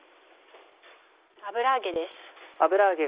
油揚げです。